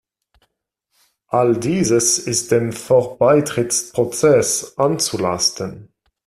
All dieses ist dem Vorbeitrittsprozess anzulasten.